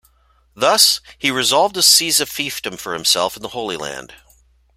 Thus, he resolved to seize a fiefdom for himself in the Holy Land.